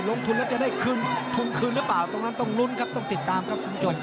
ลงทุนเราจะได้คืนณถึงคืนหรือต้องลุ้นต้องติดตามครับคุณผู้ชม